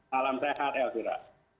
salam sehat elvira